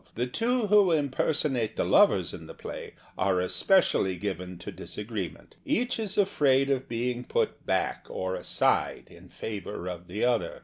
The two who impersonate the lovers in the play are especially given to dis agreement. Each is afraid of being put back or aside in favor of the other.